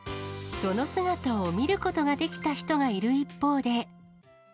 その姿を見ることができた人がいる一方で。